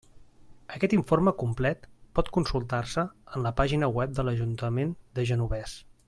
Aquest informe complet pot consultar-se en la pàgina web de l'Ajuntament de Genovés.